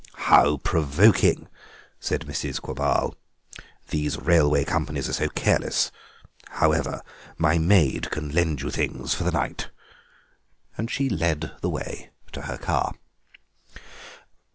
"How provoking," said Mrs. Quabarl; "these railway companies are so careless. However, my maid can lend you things for the night," and she led the way to her car.